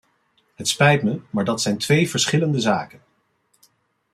Het spijt me, maar dat zijn twee verschillende zaken.